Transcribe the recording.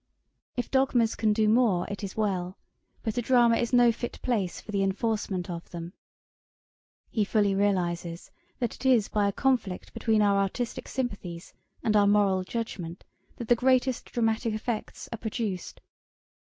If dogmas can do more it is well: but a drama is no fit place for the enforcement of them.' He fully realises that it is by a conflict between our artistic sympathies and our moral judgment that the greatest dramatic effects are produced.